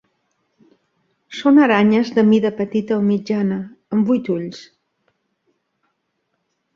Són aranyes de mida petita o mitjana, amb vuit ulls.